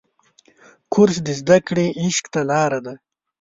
کورس د زده کړو عشق ته لاره ده.